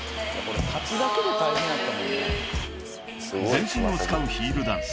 ［全身を使うヒールダンス］